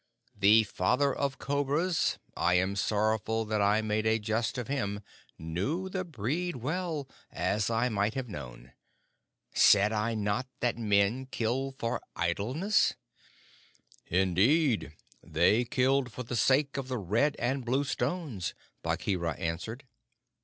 The Father of Cobras I am sorrowful that I made a jest of him knew the breed well, as I might have known. Said I not that men kill for idleness?" "Indeed, they killed for the sake of the red and blue stones," Bagheera answered.